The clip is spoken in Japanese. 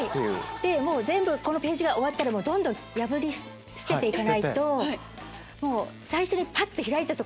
でもう全部このページが終わったらどんどん破り捨てて行かないともう最初に。